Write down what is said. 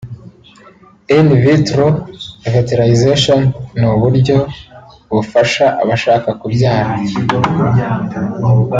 In Vitro Fertilization ni uburyo bufasha abashaka kubyara